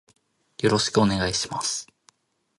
よろしくお願いします。